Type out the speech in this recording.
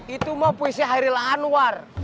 itu mah puisi hairil anwar